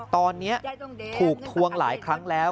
ตอนนี้ถูกทวงหลายครั้งแล้ว